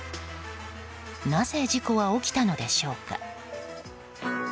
なぜ、事故は起きたのでしょうか。